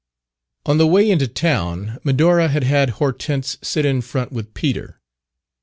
On the way into town Medora had had Hortense sit in front with Peter.